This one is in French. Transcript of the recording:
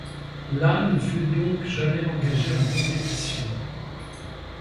La ne fut donc jamais engagée en compétition.